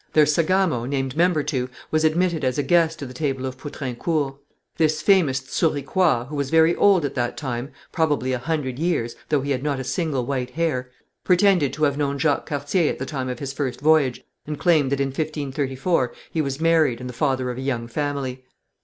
Their sagamo, named Membertou, was admitted as a guest to the table of Poutrincourt. This famous Souriquois, who was very old at that time probably a hundred years, though he had not a single white hair pretended to have known Jacques Cartier at the time of his first voyage, and claimed that in 1534 he was married, and the father of a young family.